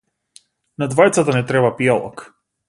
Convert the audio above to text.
На двајцата ни треба пијалок.